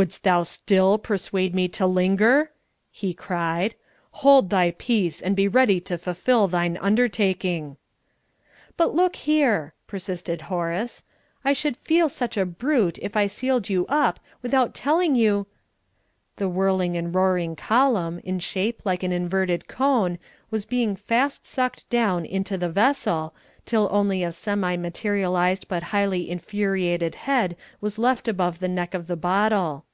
"Wouldst thou still persuade me to linger?" he cried. "Hold thy peace and be ready to fulfil thine undertaking." "But, look here," persisted Horace. "I should feel such a brute if I sealed you up without telling you " The whirling and roaring column, in shape like an inverted cone, was being fast sucked down into the vessel, till only a semi materialised but highly infuriated head was left above the neck of the bottle.